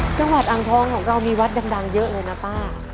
จังหวัดอ่างทองของเรามีวัดดังเยอะเลยนะป้า